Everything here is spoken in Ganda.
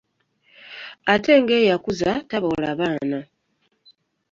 Ate nga eyakuza taboola baana .